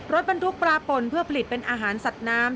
รถบรรทุกปลาป่นเพื่อผลิตเป็นอาหารสัตว์น้ำ